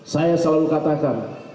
saya selalu katakan